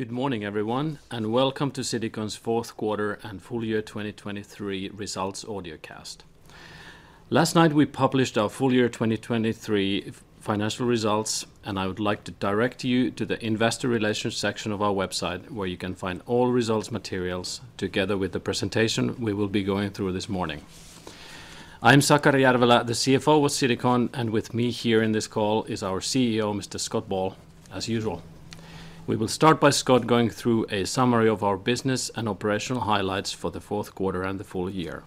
Good morning, everyone, and welcome to Citycon's Fourth Quarter and Full Year 2023 results audiocast. Last night we published our full year 2023 financial results, and I would like to direct you to the investor relations section of our website where you can find all results materials together with the presentation we will be going through this morning. I am Sakari Järvelä, the CFO with Citycon, and with me here in this call is our CEO, Mr. Scott Ball, as usual. We will start by Scott going through a summary of our business and operational highlights for the fourth quarter and the full year.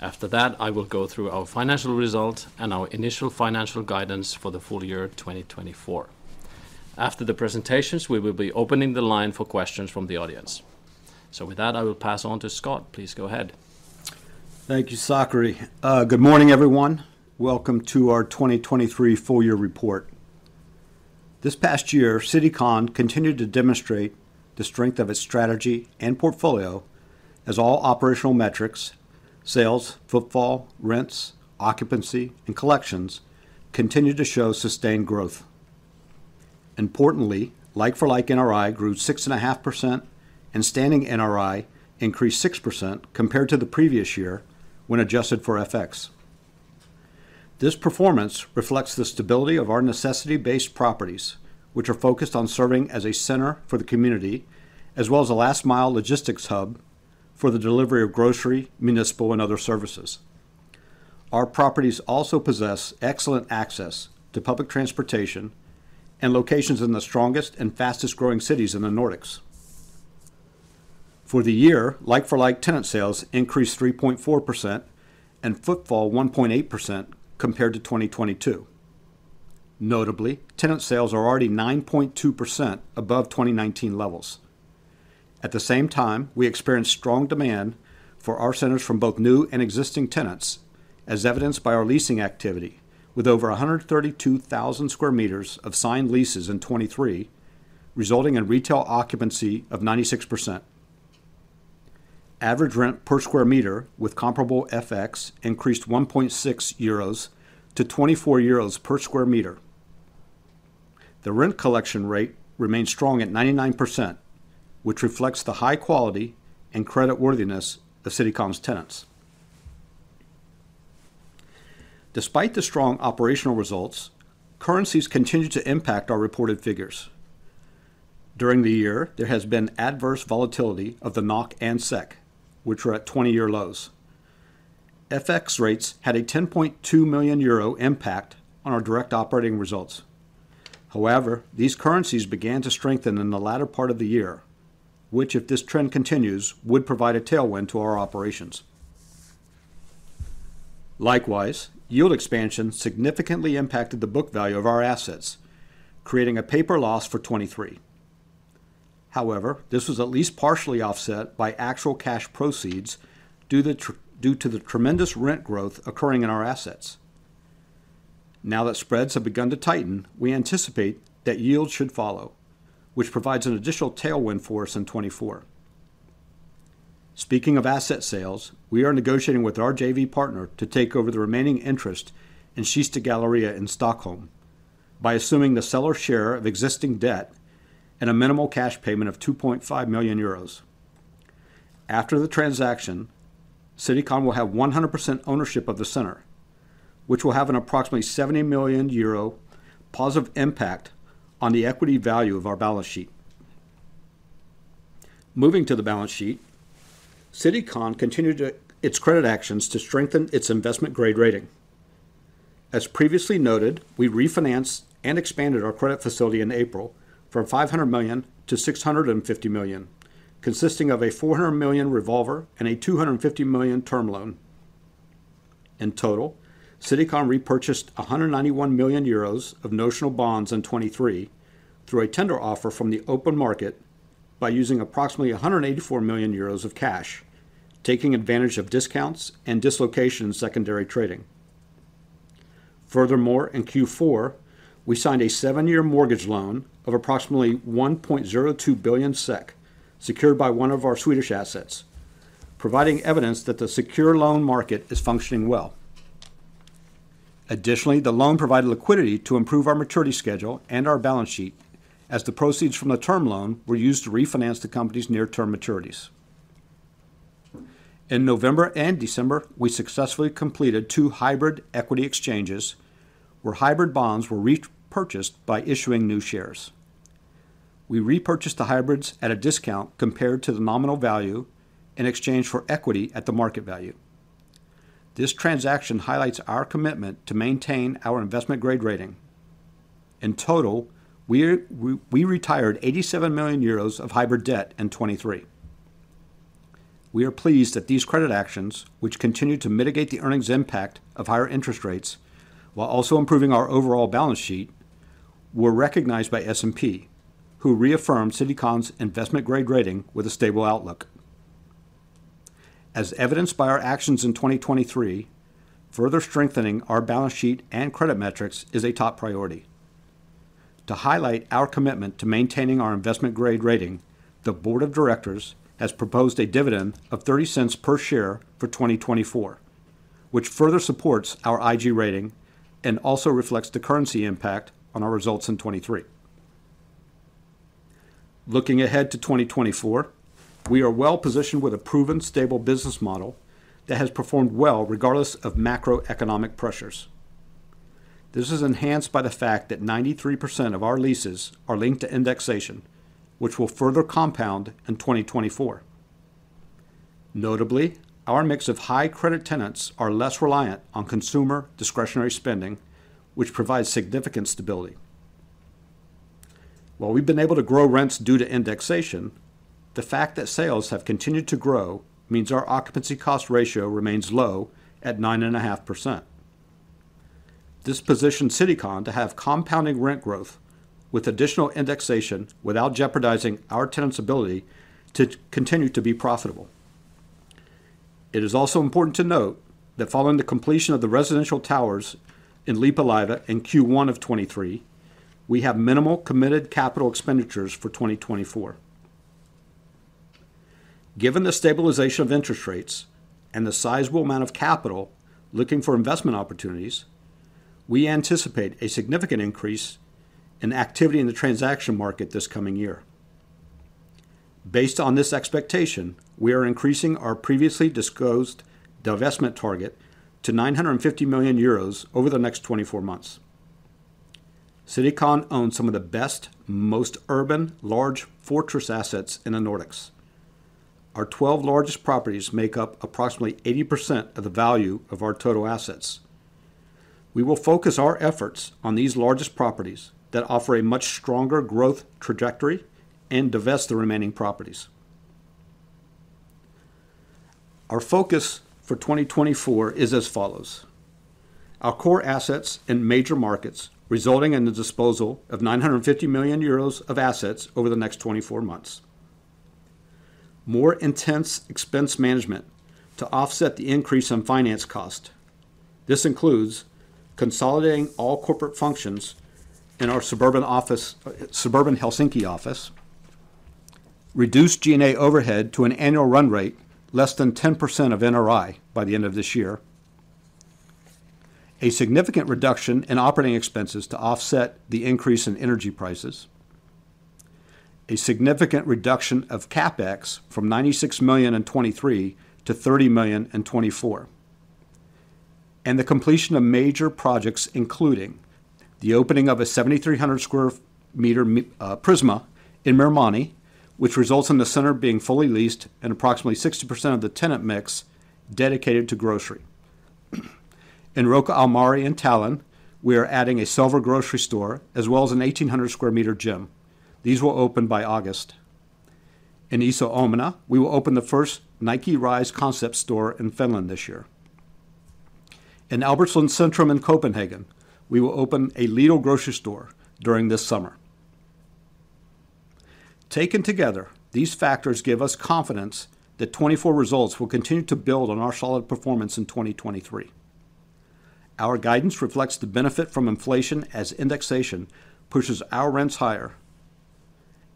After that, I will go through our financial results and our initial financial guidance for the full year 2024. After the presentations, we will be opening the line for questions from the audience. So with that, I will pass on to Scott. Please go ahead. Thank you, Sakari. Good morning, everyone. Welcome to our 2023 full year report. This past year, Citycon continued to demonstrate the strength of its strategy and portfolio as all operational metrics, sales, footfall, rents, occupancy, and collections, continued to show sustained growth. Importantly, like-for-like NRI grew 6.5%, and standing NRI increased 6% compared to the previous year when adjusted for FX. This performance reflects the stability of our necessity-based properties, which are focused on serving as a center for the community as well as a last-mile logistics hub for the delivery of grocery, municipal, and other services. Our properties also possess excellent access to public transportation and locations in the strongest and fastest-growing cities in the Nordics. For the year, like-for-like tenant sales increased 3.4% and footfall 1.8% compared to 2022. Notably, tenant sales are already 9.2% above 2019 levels. At the same time, we experience strong demand for our centers from both new and existing tenants, as evidenced by our leasing activity with over 132,000 square meters of signed leases in 2023, resulting in retail occupancy of 96%. Average rent per square meter with comparable FX increased 1.6 euros to 24 euros per square meter. The rent collection rate remains strong at 99%, which reflects the high quality and creditworthiness of Citycon's tenants. Despite the strong operational results, currencies continue to impact our reported figures. During the year, there has been adverse volatility of the NOK and SEK, which were at 20-year lows. FX rates had a 10.2 million euro impact on our direct operating results. However, these currencies began to strengthen in the latter part of the year, which, if this trend continues, would provide a tailwind to our operations. Likewise, yield expansion significantly impacted the book value of our assets, creating a paper loss for 2023. However, this was at least partially offset by actual cash proceeds due to the tremendous rent growth occurring in our assets. Now that spreads have begun to tighten, we anticipate that yield should follow, which provides an additional tailwind for us in 2024. Speaking of asset sales, we are negotiating with our JV partner to take over the remaining interest in Kista Galleria in Stockholm by assuming the seller's share of existing debt and a minimal cash payment of 2.5 million euros. After the transaction, Citycon will have 100% ownership of the center, which will have an approximately 70 million euro positive impact on the equity value of our balance sheet. Moving to the balance sheet, Citycon continued its credit actions to strengthen its investment-grade rating. As previously noted, we refinanced and expanded our credit facility in April from 500 million to 650 million, consisting of a 400 million revolver and a 250 million term loan. In total, Citycon repurchased 191 million euros of notional bonds in 2023 through a tender offer from the open market by using approximately 184 million euros of cash, taking advantage of discounts and dislocation secondary trading. Furthermore, in Q4, we signed a seven-year mortgage loan of approximately 1.02 billion SEK secured by one of our Swedish assets, providing evidence that the secured loan market is functioning well. Additionally, the loan provided liquidity to improve our maturity schedule and our balance sheet, as the proceeds from the term loan were used to refinance the company's near-term maturities. In November and December, we successfully completed two hybrid equity exchanges where hybrid bonds were repurchased by issuing new shares. We repurchased the hybrids at a discount compared to the nominal value in exchange for equity at the market value. This transaction highlights our commitment to maintain our investment-grade rating. In total, we retired 87 million euros of hybrid debt in 2023. We are pleased that these credit actions, which continue to mitigate the earnings impact of higher interest rates while also improving our overall balance sheet, were recognized by S&P, who reaffirmed Citycon's investment-grade rating with a stable outlook. As evidenced by our actions in 2023, further strengthening our balance sheet and credit metrics is a top priority. To highlight our commitment to maintaining our investment-grade rating, the board of directors has proposed a dividend of 0.30 per share for 2024, which further supports our IG rating and also reflects the currency impact on our results in 2023. Looking ahead to 2024, we are well-positioned with a proven, stable business model that has performed well regardless of macroeconomic pressures. This is enhanced by the fact that 93% of our leases are linked to indexation, which will further compound in 2024. Notably, our mix of high-credit tenants are less reliant on consumer discretionary spending, which provides significant stability. While we've been able to grow rents due to indexation, the fact that sales have continued to grow means our occupancy cost ratio remains low at 9.5%. This positions Citycon to have compounding rent growth with additional indexation without jeopardizing our tenants' ability to continue to be profitable. It is also important to note that following the completion of the residential towers in Lippulaiva in Q1 of 2023, we have minimal committed capital expenditures for 2024. Given the stabilization of interest rates and the sizable amount of capital looking for investment opportunities, we anticipate a significant increase in activity in the transaction market this coming year. Based on this expectation, we are increasing our previously disclosed divestment target to 950 million euros over the next 24 months. Citycon owns some of the best, most urban, large fortress assets in the Nordics. Our 12 largest properties make up approximately 80% of the value of our total assets. We will focus our efforts on these largest properties that offer a much stronger growth trajectory and divest the remaining properties. Our focus for 2024 is as follows: our core assets and major markets resulting in the disposal of 950 million euros of assets over the next 24 months; more intense expense management to offset the increase in finance cost. This includes consolidating all corporate functions in our suburban Helsinki office, reduced G&A overhead to an annual run rate less than 10% of NRI by the end of this year, a significant reduction in operating expenses to offset the increase in energy prices, a significant reduction of CapEx from 96 million in 2023 to 30 million in 2024, and the completion of major projects including the opening of a 7,300 square meter Prisma in Myyrmanni, which results in the center being fully leased and approximately 60% of the tenant mix dedicated to grocery. In Rocca al Mare in Tallinn, we are adding a Selver as well as a 1,800 square meter gym. These will open by August. In Iso Omena, we will open the first Nike Rise concept store in Finland this year. In Albertslund Centrum in Copenhagen, we will open a Lidl grocery store during this summer. Taken together, these factors give us confidence that 2024 results will continue to build on our solid performance in 2023. Our guidance reflects the benefit from inflation as indexation pushes our rents higher.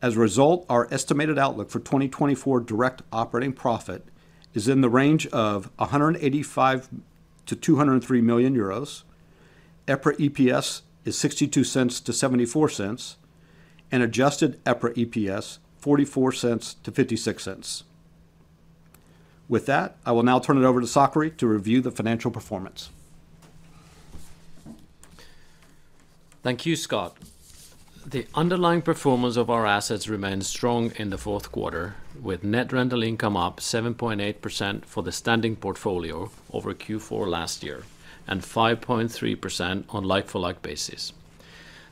As a result, our estimated outlook for 2024 direct operating profit is in the range of 185 million-203 million euros, EPRA EPS is 0.62-0.74, and adjusted EPRA EPS 0.44-0.56. With that, I will now turn it over to Sakari to review the financial performance. Thank you, Scott. The underlying performance of our assets remains strong in the fourth quarter, with net rental income up 7.8% for the standing portfolio over Q4 last year and 5.3% on like-for-like basis.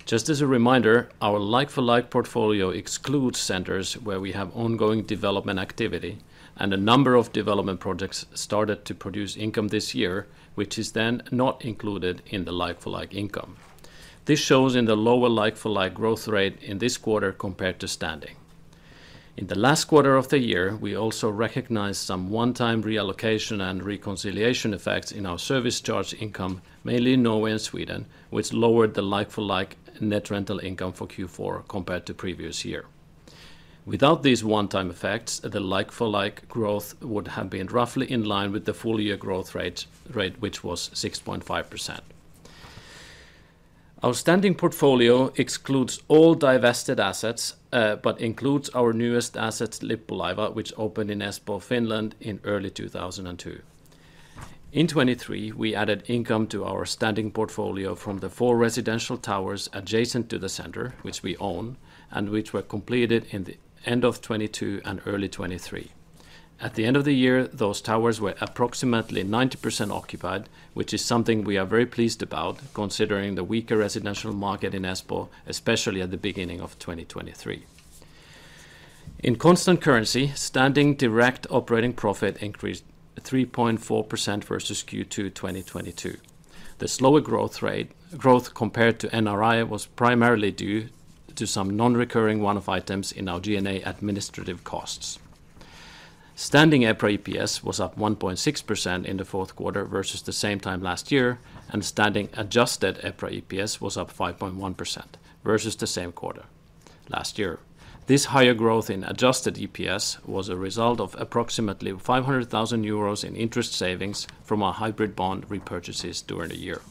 Just as a reminder, our like-for-like portfolio excludes centers where we have ongoing development activity and a number of development projects started to produce income this year, which is then not included in the like-for-like income. This shows in the lower like-for-like growth rate in this quarter compared to standing. In the last quarter of the year, we also recognized some one-time reallocation and reconciliation effects in our service charge income, mainly in Norway and Sweden, which lowered the like-for-like net rental income for Q4 compared to previous year. Without these one-time effects, the like-for-like growth would have been roughly in line with the full-year growth rate, which was 6.5%. Our Standing Portfolio excludes all divested assets but includes our newest asset, Lippulaiva, which opened in Espoo, Finland in early 2022. In 2023, we added income to our Standing Portfolio from the four residential towers adjacent to the center, which we own and which were completed in the end of 2022 and early 2023. At the end of the year, those towers were approximately 90% occupied, which is something we are very pleased about considering the weaker residential market in Espoo, especially at the beginning of 2023. In constant currency, standing direct operating profit increased 3.4% versus Q2 2022. The slower growth rate compared to NRI was primarily due to some non-recurring one-off items in our G&A administrative costs. Standing EPRA EPS was up 1.6% in the fourth quarter versus the same time last year, and standing adjusted EPRA EPS was up 5.1% versus the same quarter last year. This higher growth in adjusted EPS was a result of approximately 500,000 euros in interest savings from our hybrid bond repurchases during the year.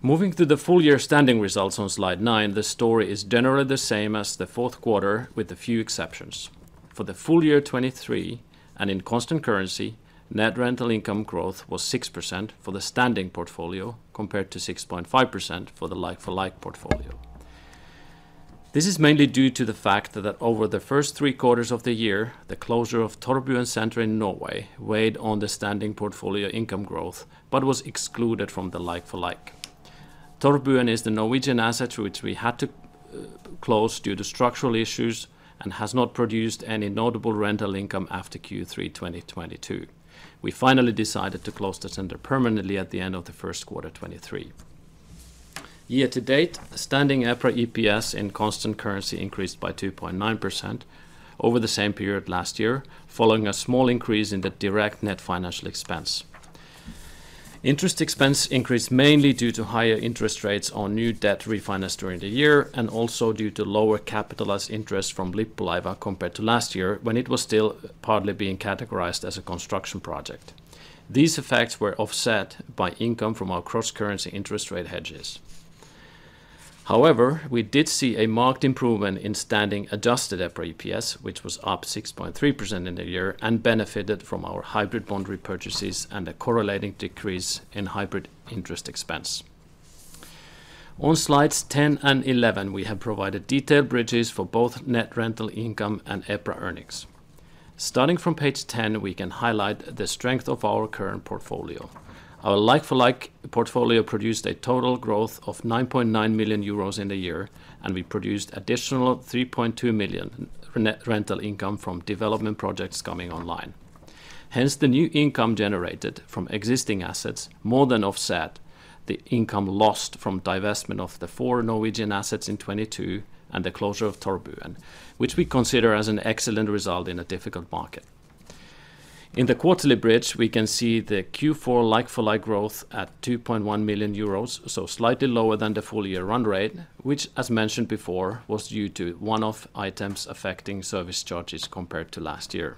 Moving to the full-year standing results on slide nine, the story is generally the same as the fourth quarter with a few exceptions. For the full year 2023 and in constant currency, net rental income growth was 6% for the standing portfolio compared to 6.5% for the like-for-like portfolio. This is mainly due to the fact that over the first three quarters of the year, the closure of Torvbyen center in Norway weighed on the standing portfolio income growth but was excluded from the like-for-like. Torvbyen is the Norwegian asset which we had to close due to structural issues and has not produced any notable rental income after Q3 2022. We finally decided to close the center permanently at the end of the first quarter 2023. Year to date, standing EPRA EPS in constant currency increased by 2.9% over the same period last year, following a small increase in the direct net financial expense. Interest expense increased mainly due to higher interest rates on new debt refinanced during the year and also due to lower capitalized interest from Lippulaiva compared to last year when it was still partly being categorized as a construction project. These effects were offset by income from our cross-currency interest rate hedges. However, we did see a marked improvement in standing adjusted EPRA EPS, which was up 6.3% in the year and benefited from our hybrid bond repurchases and a correlating decrease in hybrid interest expense. On slides 10 and 11, we have provided detailed bridges for both net rental income and EPRA earnings. Starting from page 10, we can highlight the strength of our current portfolio. Our like-for-like portfolio produced a total growth of 9.9 million euros in the year, and we produced additional 3.2 million rental income from development projects coming online. Hence, the new income generated from existing assets more than offset the income lost from divestment of the four Norwegian assets in 2022 and the closure of Torvbyen, which we consider as an excellent result in a difficult market. In the quarterly bridge, we can see the Q4 like-for-like growth at 2.1 million euros, so slightly lower than the full-year run rate, which, as mentioned before, was due to one-off items affecting service charges compared to last year.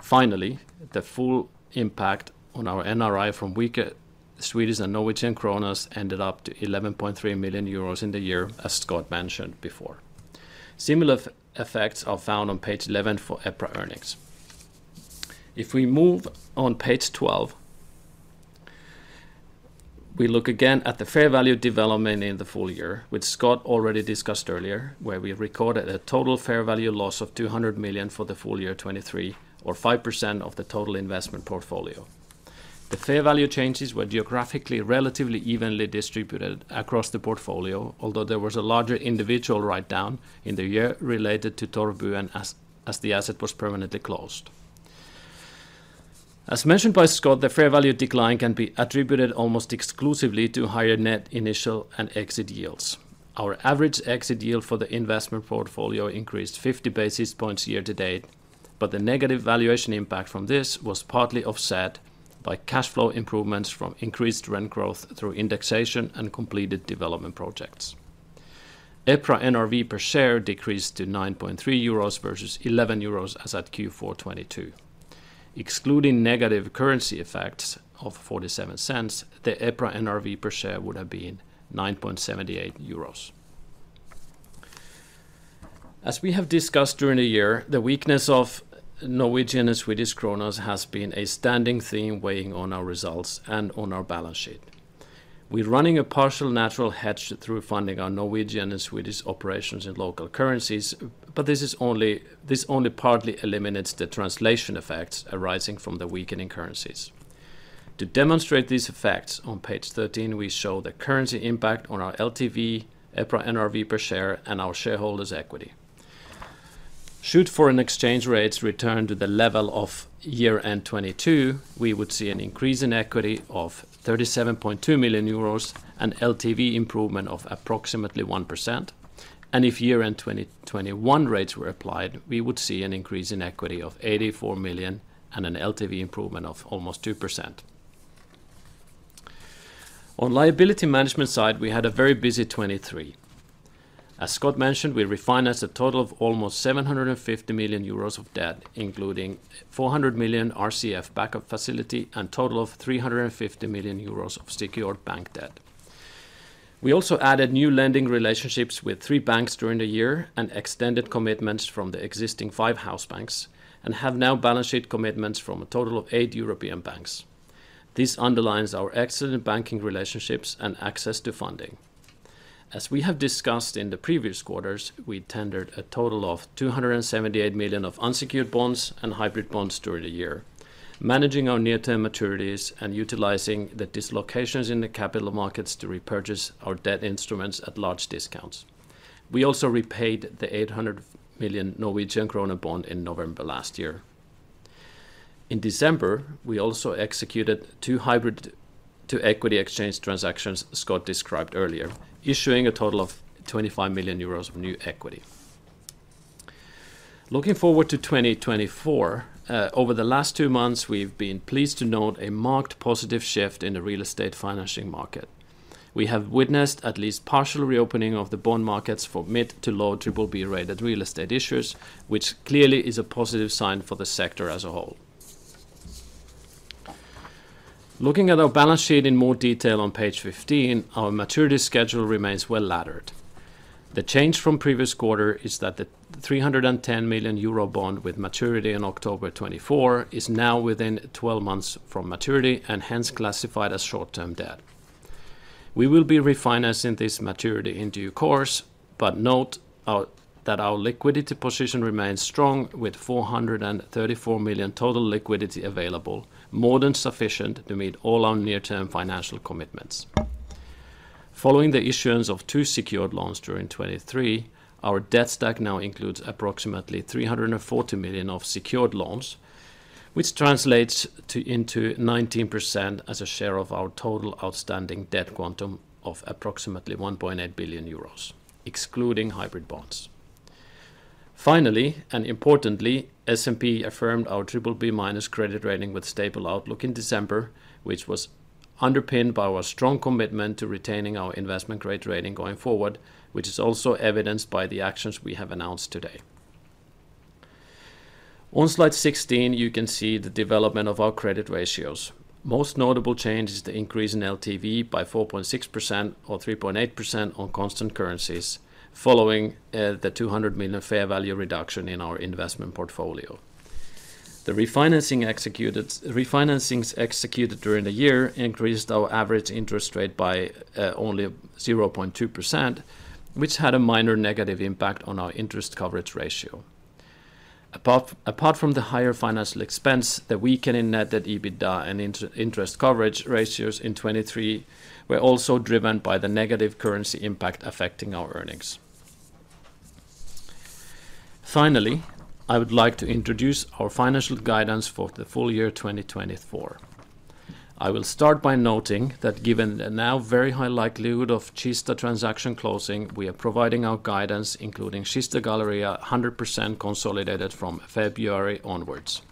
Finally, the full impact on our NRI from weaker Swedish and Norwegian kronors ended up to 11.3 million euros in the year, as Scott mentioned before. Similar effects are found on page 11 for EPRA earnings. If we move on page 12, we look again at the fair value development in the full year, which Scott already discussed earlier, where we recorded a total fair value loss of 200 million for the full year 2023, or 5% of the total investment portfolio. The fair value changes were geographically relatively evenly distributed across the portfolio, although there was a larger individual write-down in the year related to Torvbyen as the asset was permanently closed. As mentioned by Scott, the fair value decline can be attributed almost exclusively to higher net initial and exit yields. Our average exit yield for the investment portfolio increased 50 basis points year to date, but the negative valuation impact from this was partly offset by cash flow improvements from increased rent growth through indexation and completed development projects. EPRA NRV per share decreased to 9.3 euros versus 11 euros as at Q4 2022. Excluding negative currency effects of 0.47, the EPRA NRV per share would have been 9.78 euros. As we have discussed during the year, the weakness of Norwegian and Swedish kronors has been a standing theme weighing on our results and on our balance sheet. We're running a partial natural hedge through funding our Norwegian and Swedish operations in local currencies, but this only partly eliminates the translation effects arising from the weakening currencies. To demonstrate these effects, on page 13, we show the currency impact on our LTV, EPRA NRV per share, and our shareholders' equity. Should foreign exchange rates return to the level of year-end 2022, we would see an increase in equity of 37.2 million euros and LTV improvement of approximately 1%. If year-end 2021 rates were applied, we would see an increase in equity of 84 million and an LTV improvement of almost 2%. On liability management side, we had a very busy 2023. As Scott mentioned, we refinanced a total of almost 750 million euros of debt, including 400 million RCF backup facility and a total of 350 million euros of secured bank debt. We also added new lending relationships with three banks during the year and extended commitments from the existing five house banks and have now balance sheet commitments from a total of eight European banks. This underlines our excellent banking relationships and access to funding. As we have discussed in the previous quarters, we tendered a total of 278 million of unsecured bonds and hybrid bonds during the year, managing our near-term maturities and utilizing the dislocations in the capital markets to repurchase our debt instruments at large discounts. We also repaid the 800 million Norwegian krone bond in November last year. In December, we also executed two equity exchange transactions Scott described earlier, issuing a total of 25 million euros of new equity. Looking forward to 2024, over the last two months, we've been pleased to note a marked positive shift in the real estate financing market. We have witnessed at least partial reopening of the bond markets for mid- to low BBB-rated real estate issues, which clearly is a positive sign for the sector as a whole. Looking at our balance sheet in more detail on page 15, our maturity schedule remains well laddered. The change from previous quarter is that the 310 million euro bond with maturity in October 2024 is now within 12 months from maturity and hence classified as short-term debt. We will be refinancing this maturity in due course, but note that our liquidity position remains strong with 434 million total liquidity available, more than sufficient to meet all our near-term financial commitments. Following the issuance of two secured loans during 2023, our debt stack now includes approximately 340 million of secured loans, which translates into 19% as a share of our total outstanding debt quantum of approximately 1.8 billion euros, excluding hybrid bonds. Finally, and importantly, S&P affirmed our BBB- credit rating with stable outlook in December, which was underpinned by our strong commitment to retaining our investment grade rating going forward, which is also evidenced by the actions we have announced today. On slide 16, you can see the development of our credit ratios. Most notable change is the increase in LTV by 4.6% or 3.8% on constant currencies, following the 200 million fair value reduction in our investment portfolio. The refinancings executed during the year increased our average interest rate by only 0.2%, which had a minor negative impact on our interest coverage ratio. Apart from the higher financial expense, the weakening net debt to EBITDA and interest coverage ratios in 2023 were also driven by the negative currency impact affecting our earnings. Finally, I would like to introduce our financial guidance for the full year 2024. I will start by noting that given the now very high likelihood of Kista transaction closing, we are providing our guidance, including Kista Galleria 100% consolidated from February onwards.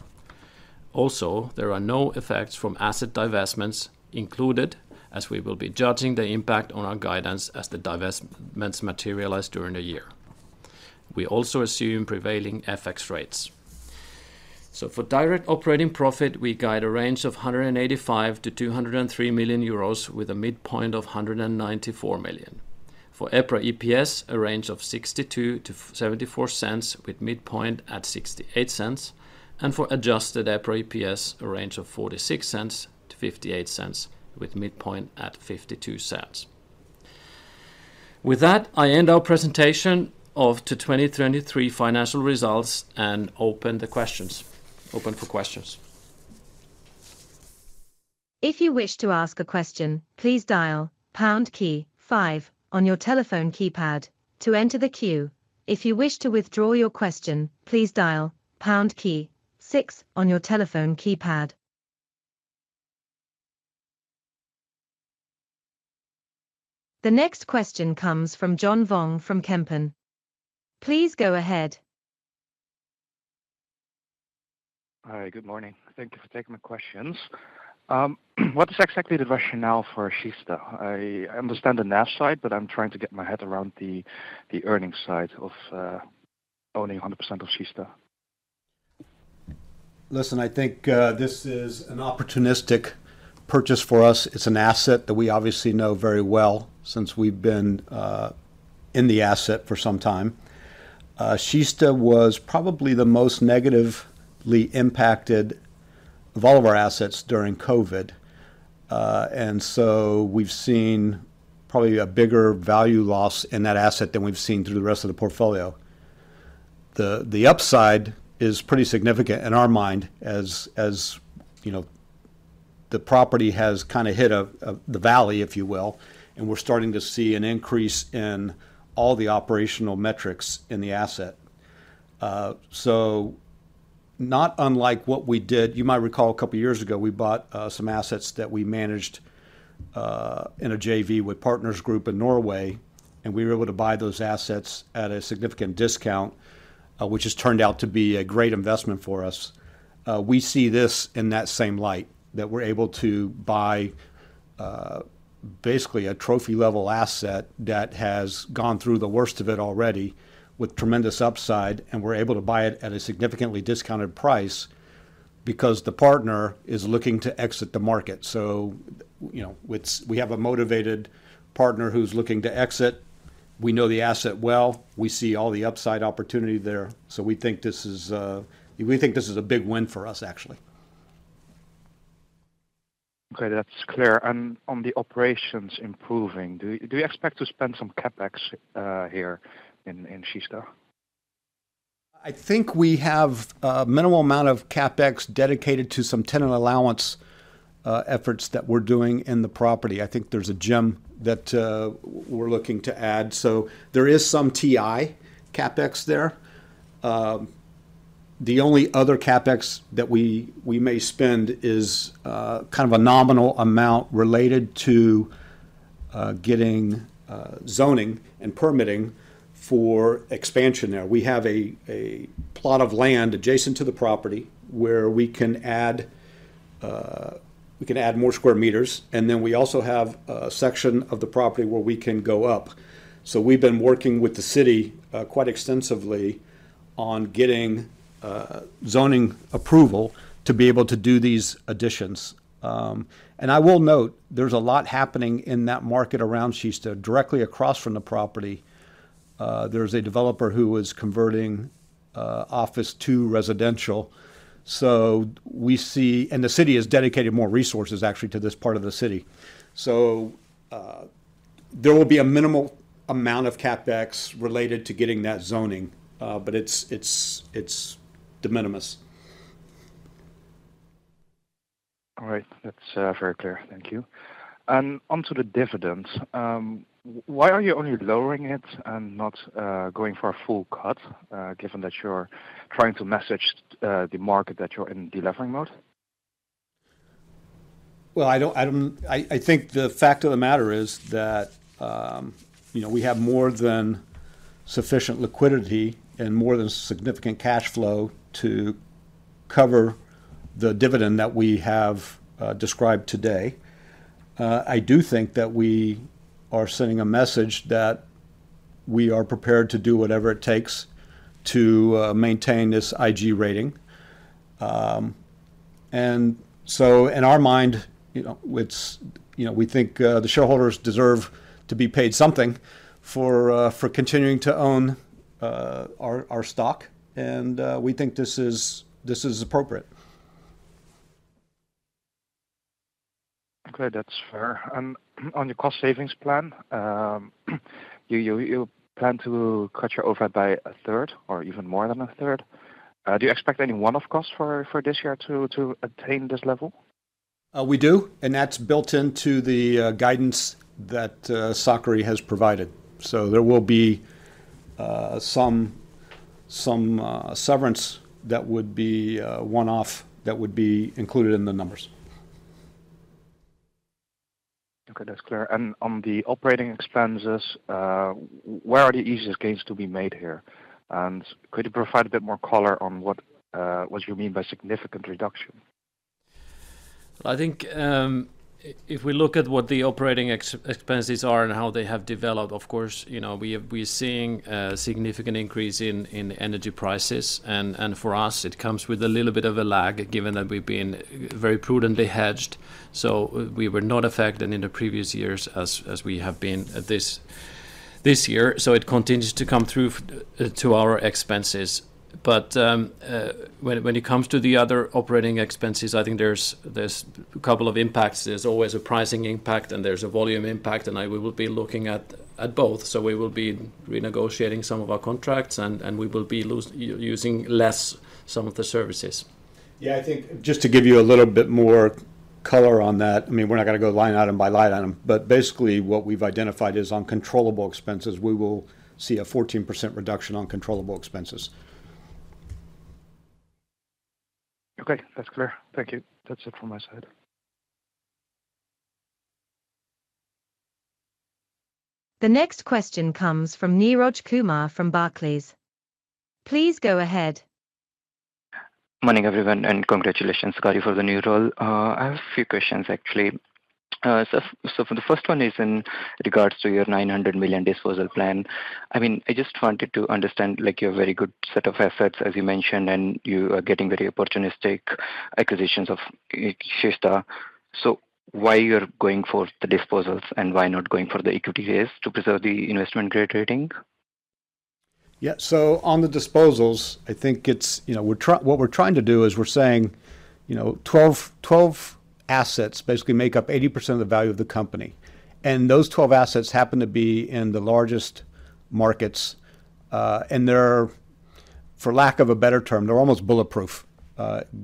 Also, there are no effects from asset divestments included, as we will be judging the impact on our guidance as the divestments materialize during the year. We also assume prevailing FX rates. So for direct operating profit, we guide a range of 185 million-203 million euros with a midpoint of 194 million. For EPRA EPS, a range of 0.62-0.74 with midpoint at 0.68, and for adjusted EPRA EPS, a range of 0.46-0.58 with midpoint at 0.52. With that, I end our presentation of 2023 financial results and open for questions. If you wish to ask a question, please dial pound key five on your telephone keypad to enter the queue. If you wish to withdraw your question, please dial pound key six on your telephone keypad. The next question comes from John Vuong from Kempen. Please go ahead. Hi, good morning. Thank you for taking my questions. What is exactly the rationale for Kista? I understand the NAV side, but I'm trying to get my head around the earnings side of owning 100% of Kista. Listen, I think this is an opportunistic purchase for us. It's an asset that we obviously know very well since we've been in the asset for some time. Kista was probably the most negatively impacted of all of our assets during COVID. And so we've seen probably a bigger value loss in that asset than we've seen through the rest of the portfolio. The upside is pretty significant in our mind as the property has kind of hit the valley, if you will, and we're starting to see an increase in all the operational metrics in the asset. So not unlike what we did you might recall a couple of years ago, we bought some assets that we managed in a JV with Partners Group in Norway, and we were able to buy those assets at a significant discount, which has turned out to be a great investment for us. We see this in that same light, that we're able to buy basically a trophy-level asset that has gone through the worst of it already with tremendous upside, and we're able to buy it at a significantly discounted price because the partner is looking to exit the market. So we have a motivated partner who's looking to exit. We know the asset well. We see all the upside opportunity there. So we think this is a big win for us, actually. Okay, that's clear. And on the operations improving, do you expect to spend some CapEx here in Kista? I think we have a minimal amount of CapEx dedicated to some tenant allowance efforts that we're doing in the property. I think there's a gym that we're looking to add. So there is some TI CapEx there. The only other CapEx that we may spend is kind of a nominal amount related to getting zoning and permitting for expansion there. We have a plot of land adjacent to the property where we can add more square meters, and then we also have a section of the property where we can go up. So we've been working with the city quite extensively on getting zoning approval to be able to do these additions. And I will note, there's a lot happening in that market around Kista directly across from the property. There's a developer who is converting office to residential. And the city has dedicated more resources, actually, to this part of the city. So there will be a minimal amount of CapEx related to getting that zoning, but it's de minimis. All right. That's very clear. Thank you. And onto the dividends, why are you only lowering it and not going for a full cut, given that you're trying to message the market that you're in delivering mode? Well, I think the fact of the matter is that we have more than sufficient liquidity and more than significant cash flow to cover the dividend that we have described today. I do think that we are sending a message that we are prepared to do whatever it takes to maintain this IG rating. And so in our mind, we think the shareholders deserve to be paid something for continuing to own our stock, and we think this is appropriate. Okay, that's fair. And on your cost savings plan, you plan to cut your overhead by a third or even more than a third. Do you expect any one-off costs for this year to attain this level? We do, and that's built into the guidance that Sakari has provided. So there will be some severance that would be one-off that would be included in the numbers. Okay, that's clear. And on the operating expenses, where are the easiest gains to be made here? And could you provide a bit more color on what you mean by significant reduction? Well, I think if we look at what the operating expenses are and how they have developed, of course, we're seeing a significant increase in the energy prices. And for us, it comes with a little bit of a lag, given that we've been very prudently hedged. So we were not affected in the previous years as we have been this year. So it continues to come through to our expenses. But when it comes to the other operating expenses, I think there's a couple of impacts. There's always a pricing impact, and there's a volume impact. And we will be looking at both. So we will be renegotiating some of our contracts, and we will be using less some of the services. Yeah, I think just to give you a little bit more color on that. I mean, we're not going to go line item by line item. But basically, what we've identified is on controllable expenses, we will see a 14% reduction on controllable expenses. Okay, that's clear. Thank you. That's it from my side. The next question comes from Neeraj Kumar from Barclays. Please go ahead. Morning, everyone, and congratulations, Sakari, for the new role. I have a few questions, actually. So the first one is in regards to your 900 million disposal plan. I mean, I just wanted to understand you have a very good set of assets, as you mentioned, and you are getting very opportunistic acquisitions of Kista. So why you're going for the disposals and why not going for the equity raise to preserve the investment grade rating? Yeah, so on the disposals, I think what we're trying to do is we're saying 12 assets basically make up 80% of the value of the company. Those 12 assets happen to be in the largest markets. For lack of a better term, they're almost bulletproof,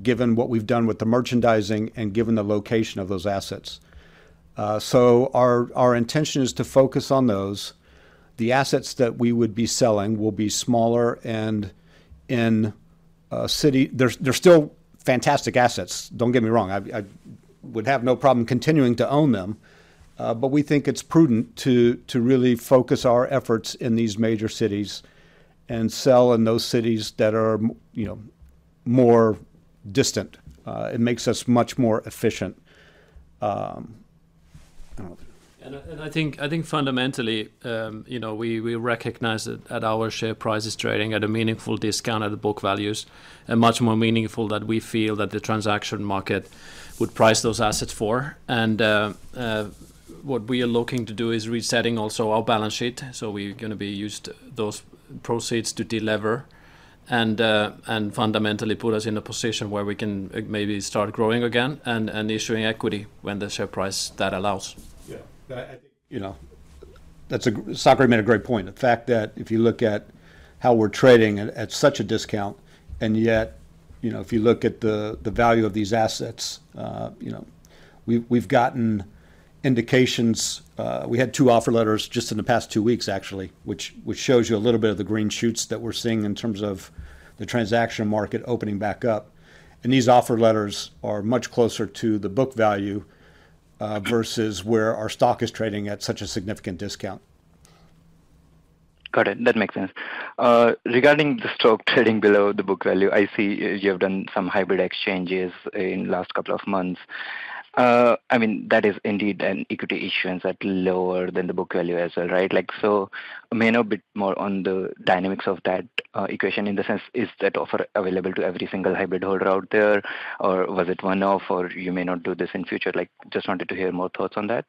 given what we've done with the merchandising and given the location of those assets. So our intention is to focus on those. The assets that we would be selling will be smaller, and in cities they're still fantastic assets. Don't get me wrong. I would have no problem continuing to own them. But we think it's prudent to really focus our efforts in these major cities and sell in those cities that are more distant. It makes us much more efficient. I don't know. And I think fundamentally, we recognize that our share prices trading at a meaningful discount to the book values, and much more meaningful than we feel that the transaction market would price those assets for. What we are looking to do is resetting also our balance sheet. So we're going to be used those proceeds to deliver and fundamentally put us in a position where we can maybe start growing again and issuing equity when the share price that allows. Sakari made a great point. The fact that if you look at how we're trading at such a discount, and yet if you look at the value of these assets, we've gotten indications we had two offer letters just in the past two weeks, actually, which shows you a little bit of the green shoots that we're seeing in terms of the transaction market opening back up. And these offer letters are much closer to the book value versus where our stock is trading at such a significant discount. Got it. That makes sense. Regarding the stock trading below the book value, I see you have done some hybrid exchanges in the last couple of months. I mean, that is indeed an equity issuance that's lower than the book value as well, right? So maybe a bit more on the dynamics of that equation in the sense, is that offer available to every single hybrid holder out there, or was it one-off, or you may not do this in future? Just wanted to hear more thoughts on that.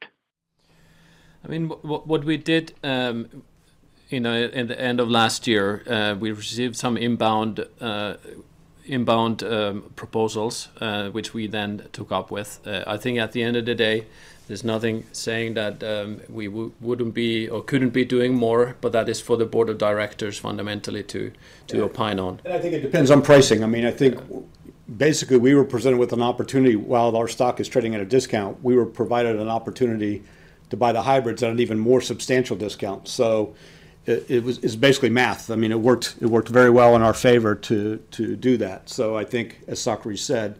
I mean, what we did at the end of last year, we received some inbound proposals, which we then took up with. I think at the end of the day, there's nothing saying that we wouldn't be or couldn't be doing more, but that is for the Board of Directors fundamentally to opine on. And I think it depends on pricing. I mean, I think basically, we were presented with an opportunity while our stock is trading at a discount. We were provided an opportunity to buy the hybrids at an even more substantial discount. So it's basically math. I mean, it worked very well in our favor to do that. So I think, as Sakari said,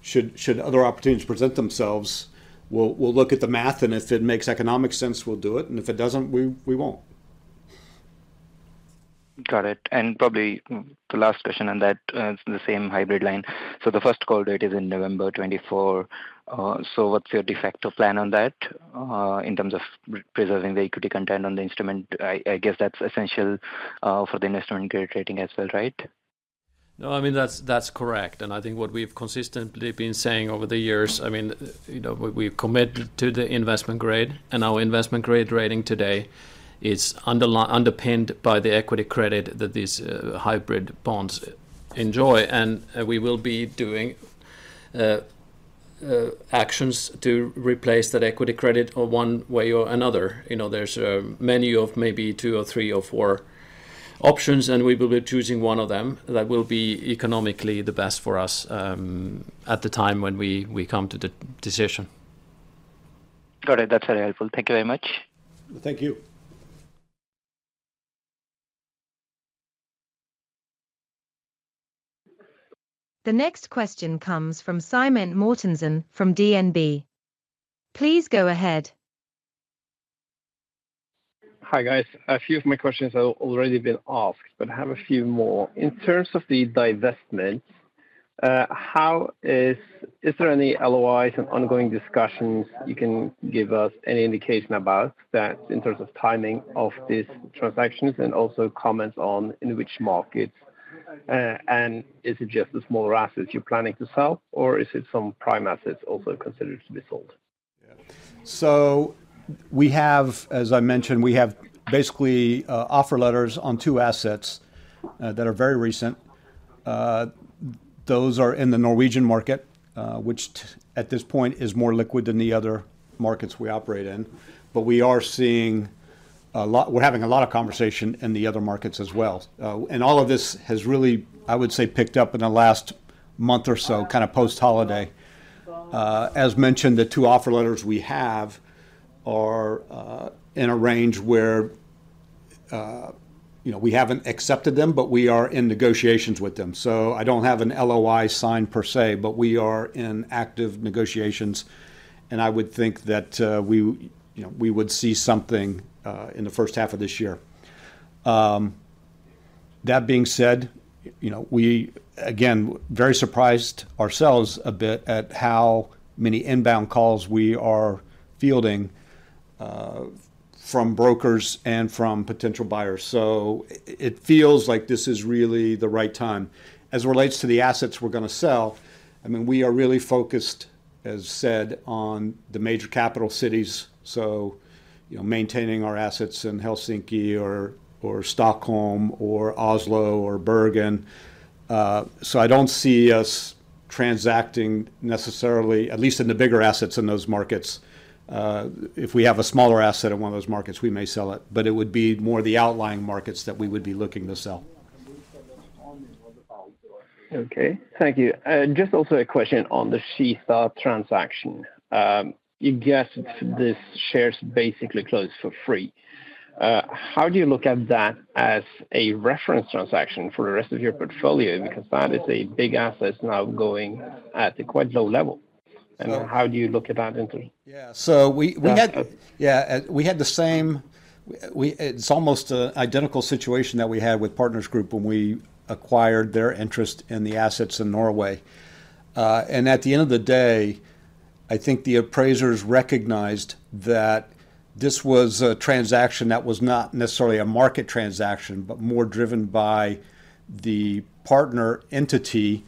should other opportunities present themselves, we'll look at the math, and if it makes economic sense, we'll do it. And if it doesn't, we won't. Got it. And probably the last question on that, it's the same hybrid line. So the first call date is in November 2024. So what's your de facto plan on that in terms of preserving the equity content on the instrument? I guess that's essential for the investment grade rating as well, right? No, I mean, that's correct. I think what we've consistently been saying over the years, I mean, we've committed to the investment grade, and our investment grade rating today is underpinned by the equity credit that these hybrid bonds enjoy. We will be doing actions to replace that equity credit in one way or another. There's a menu of maybe two or three or four options, and we will be choosing one of them that will be economically the best for us at the time when we come to the decision. Got it. That's very helpful. Thank you very much. Thank you. The next question comes from Simen Mortensen from DNB. Please go ahead. Hi, guys. A few of my questions have already been asked, but I have a few more. In terms of the divestment, is there any LOIs and ongoing discussions you can give us any indication about that in terms of timing of these transactions and also comments on in which markets? And is it just the smaller assets you're planning to sell, or is it some prime assets also considered to be sold? Yeah. So as I mentioned, we have basically offer letters on two assets that are very recent. Those are in the Norwegian market, which at this point is more liquid than the other markets we operate in. But we are seeing a lot, we're having a lot of conversation in the other markets as well. And all of this has really, I would say, picked up in the last month or so, kind of post-holiday. As mentioned, the two offer letters we have are in a range where we haven't accepted them, but we are in negotiations with them. So I don't have an LOI signed per se, but we are in active negotiations. And I would think that we would see something in the first half of this year. That being said, we, again, very surprised ourselves a bit at how many inbound calls we are fielding from brokers and from potential buyers. So it feels like this is really the right time. As it relates to the assets we're going to sell, I mean, we are really focused, as said, on the major capital cities, so maintaining our assets in Helsinki or Stockholm or Oslo or Bergen. So I don't see us transacting necessarily, at least in the bigger assets in those markets. If we have a smaller asset in one of those markets, we may sell it. But it would be more the outlying markets that we would be looking to sell. Okay. Thank you. Just also a question on the Kista transaction. You guessed this share is basically closed for free. How do you look at that as a reference transaction for the rest of your portfolio? Because that is a big asset now going at a quite low level. And how do you look at that? Yeah. So yeah, we had the same it's almost an identical situation that we had with Partners Group when we acquired their interest in the assets in Norway. And at the end of the day, I think the appraisers recognized that this was a transaction that was not necessarily a market transaction, but more driven by the partner entity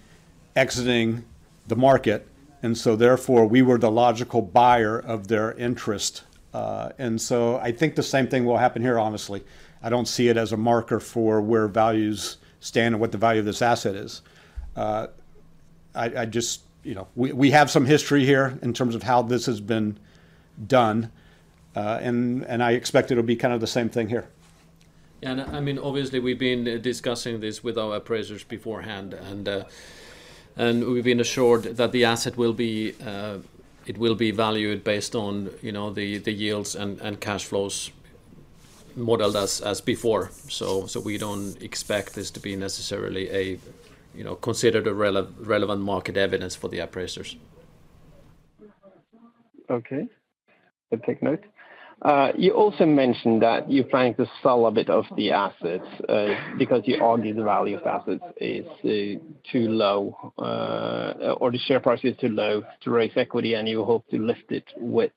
exiting the market. And so therefore, we were the logical buyer of their interest. And so I think the same thing will happen here, honestly. I don't see it as a marker for where values stand and what the value of this asset is. We have some history here in terms of how this has been done, and I expect it'll be kind of the same thing here. Yeah. And I mean, obviously, we've been discussing this with our appraisers beforehand, and we've been assured that the asset will be valued based on the yields and cash flows modeled as before. So we don't expect this to be necessarily considered relevant market evidence for the appraisers. Okay. I'll take note. You also mentioned that you're planning to sell a bit of the assets because you argue the value of assets is too low or the share price is too low to raise equity, and you hope to lift it with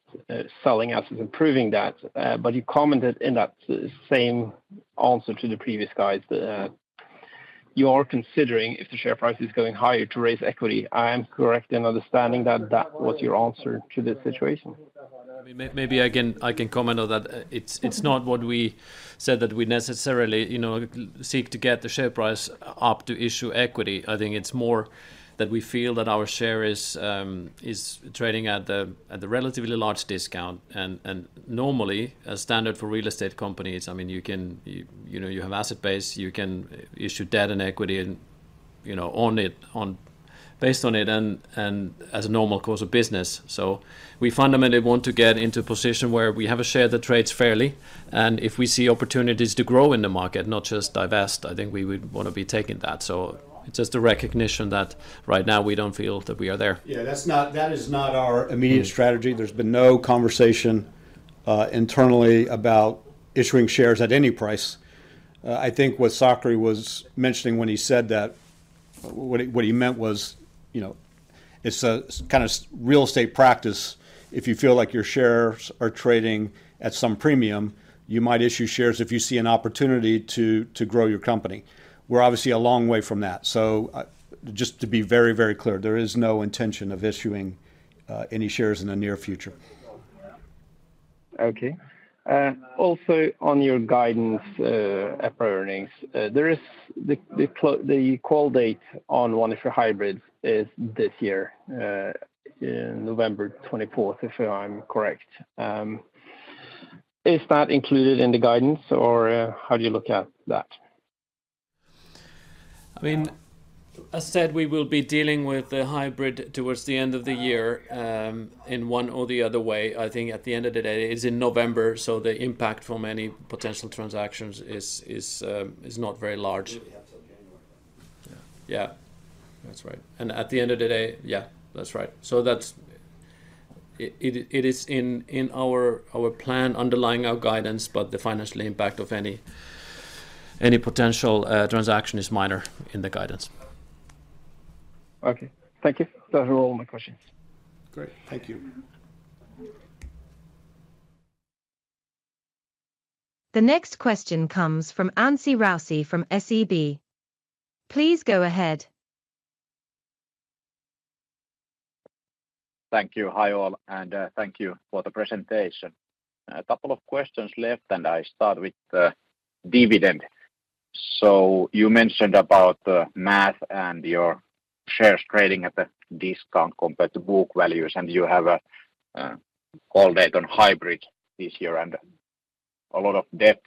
selling assets and proving that. But you commented in that same answer to the previous guys that you are considering, if the share price is going higher, to raise equity. Am I correct in understanding that that was your answer to this situation? I mean, maybe I can comment on that. It's not what we said that we necessarily seek to get the share price up to issue equity. I think it's more that we feel that our share is trading at a relatively large discount. And normally, as standard for real estate companies, I mean, you have asset base. You can issue debt and equity based on it and as a normal course of business. So we fundamentally want to get into a position where we have a share that trades fairly. If we see opportunities to grow in the market, not just divest, I think we would want to be taking that. So it's just a recognition that right now, we don't feel that we are there. Yeah, that is not our immediate strategy. There's been no conversation internally about issuing shares at any price. I think what Sakari was mentioning when he said that, what he meant was, it's a kind of real estate practice. If you feel like your shares are trading at some premium, you might issue shares if you see an opportunity to grow your company. We're obviously a long way from that. So just to be very, very clear, there is no intention of issuing any shares in the near future. Okay. Also, on your guidance, upper earnings, the call date on one of your hybrids is this year, November 24th, if I'm correct. Is that included in the guidance, or how do you look at that? I mean, as said, we will be dealing with the hybrid towards the end of the year in one or the other way. I think at the end of the day, it is in November, so the impact for many potential transactions is not very large. Yeah, that's right. And at the end of the day, yeah, that's right. So it is in our plan underlying our guidance, but the financial impact of any potential transaction is minor in the guidance. Okay. Thank you. Those are all my questions. Great. Thank you. The next question comes from Anssi Raussi from SEB. Please go ahead. Thank you. Hi all, and thank you for the presentation. A couple of questions left, and I start with the dividend. So you mentioned about the math and your shares trading at a discount compared to book values, and you have a call date on hybrid this year and a lot of debt.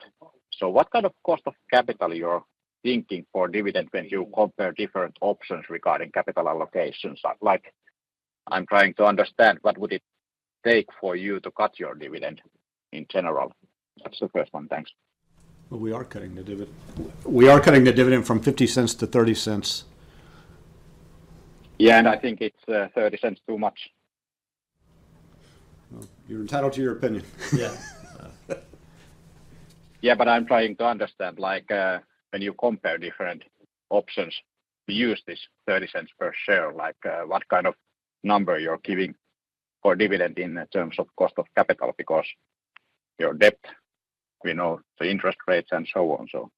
So what kind of cost of capital you're thinking for dividend when you compare different options regarding capital allocations? I'm trying to understand what would it take for you to cut your dividend in general. That's the first one. Thanks. But we are cutting the dividend. We are cutting the dividend from 0.50 to 0.30. Yeah, and I think it's 0.30 too much. You're entitled to your opinion. Yeah. Yeah, but I'm trying to understand when you compare different options, we use this 0.30 per share. What kind of number you're giving for dividend in terms of cost of capital because your debt, the interest rates, and so on, so.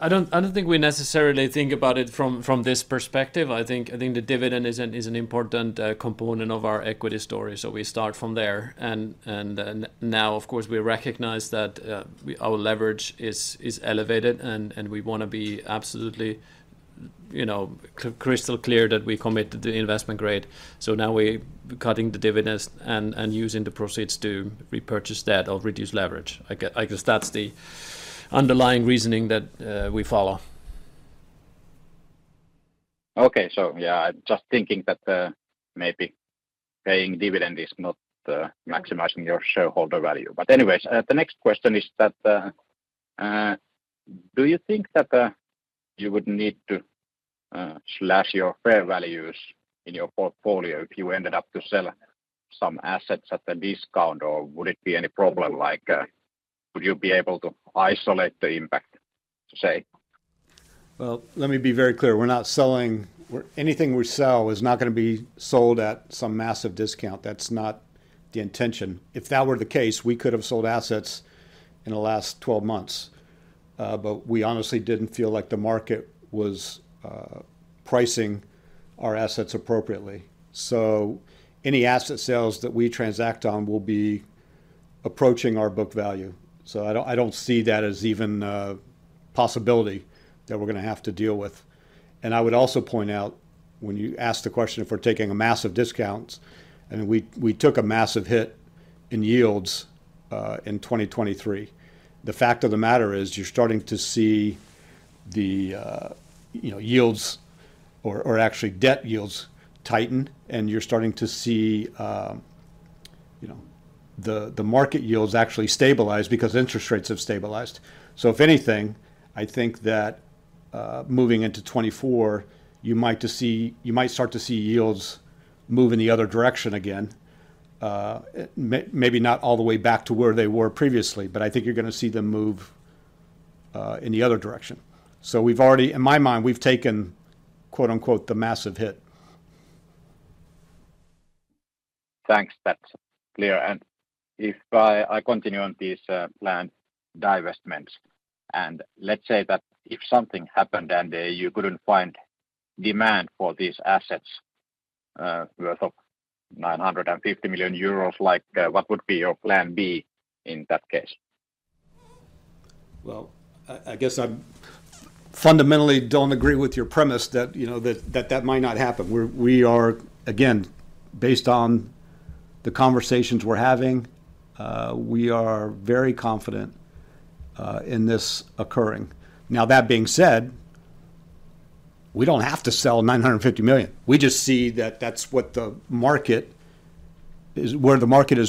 I don't think we necessarily think about it from this perspective. I think the dividend is an important component of our equity story, so we start from there. And now, of course, we recognize that our leverage is elevated, and we want to be absolutely crystal clear that we commit to the investment grade. So now we're cutting the dividends and using the proceeds to repurchase debt or reduce leverage. I guess that's the underlying reasoning that we follow. Okay. So yeah, I'm just thinking that maybe paying dividend is not maximizing your shareholder value. But anyways, the next question is that do you think that you would need to slash your fair values in your portfolio if you ended up to sell some assets at a discount, or would it be any problem? Would you be able to isolate the impact, to say? Well, let me be very clear. Anything we sell is not going to be sold at some massive discount. That's not the intention. If that were the case, we could have sold assets in the last 12 months. But we honestly didn't feel like the market was pricing our assets appropriately. So any asset sales that we transact on will be approaching our book value. So I don't see that as even a possibility that we're going to have to deal with. And I would also point out, when you asked the question if we're taking a massive discount, I mean, we took a massive hit in yields in 2023. The fact of the matter is you're starting to see the yields or actually debt yields tighten, and you're starting to see the market yields actually stabilize because interest rates have stabilized. So if anything, I think that moving into 2024, you might start to see yields move in the other direction again, maybe not all the way back to where they were previously, but I think you're going to see them move in the other direction. So in my mind, we've taken "the massive hit." Thanks. That's clear. If I continue on this plan divestment, and let's say that if something happened and you couldn't find demand for these assets worth of 950 million euros, what would be your plan B in that case? Well, I guess I fundamentally don't agree with your premise that that might not happen. Again, based on the conversations we're having, we are very confident in this occurring. Now, that being said, we don't have to sell 950 million. We just see that that's where the market is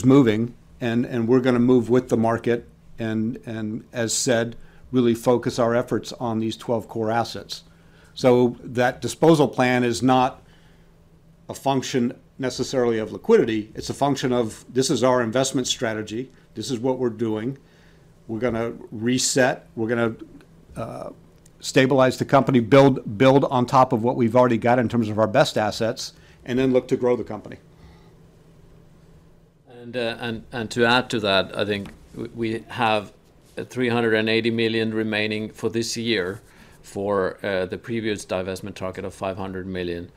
moving, and we're going to move with the market and, as said, really focus our efforts on these 12 core assets. That disposal plan is not a function necessarily of liquidity. It's a function of, "This is our investment strategy. This is what we're doing. We're going to reset. We're going to stabilize the company, build on top of what we've already got in terms of our best assets, and then look to grow the company." To add to that, I think we have 380 million remaining for this year for the previous divestment target of 500 million.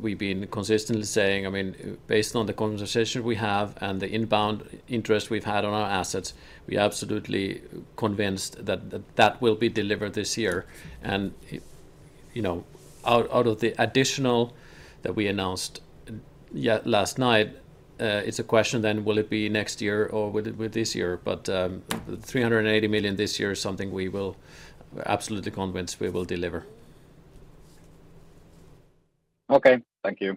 We've been consistently saying, I mean, based on the conversation we have and the inbound interest we've had on our assets, we're absolutely convinced that that will be delivered this year. Out of the additional that we announced last night, it's a question then, will it be next year or will it be this year? But 380 million this year is something we're absolutely convinced we will deliver. Okay. Thank you.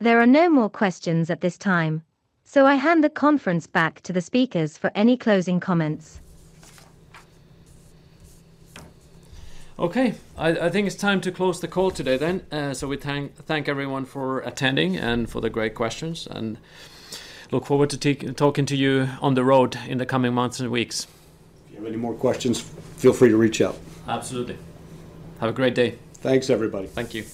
There are no more questions at this time, so I hand the conference back to the speakers for any closing comments. Okay. I think it's time to close the call today then. So we thank everyone for attending and for the great questions, and look forward to talking to you on the road in the coming months and weeks. If you have any more questions, feel free to reach out. Absolutely. Have a great day. Thanks, everybody. Thank you.